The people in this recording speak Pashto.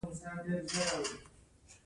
اقتصاد پوهان یې د کرنسۍ اصلاحات بولي.